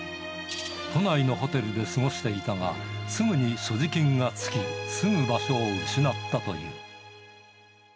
都内のホテルで過ごしていたが、すぐに所持金がつき、住む場所を失ったという。